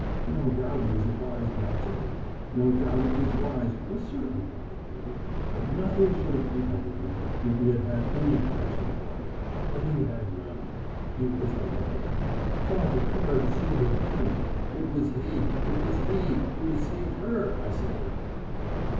No doubt he was advised not to be no doubt it was wise from a certain point of view. But nothing should have prevented him, if he had had any affection for her. But he had none he was a liar. Talk of her deceiving him! It was he it was he who deceived her, I say!"